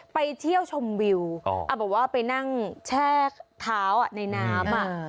ไปเที่ยวชมวิวบอกว่าไปนั่งแช่เท้าในน้ำ